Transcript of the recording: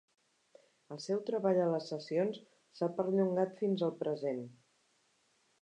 El seu treball a les sessions s'ha perllongat fins al present.